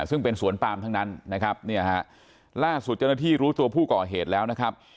ซึ่งเป็นสวนปามทั้งนั้นนะครับเนี่ยฮะล่าสุดเจ้าหน้าที่รู้ตัวผู้ก่อเหตุแล้วนะครับ